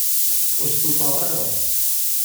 Ur stufaɣ ara.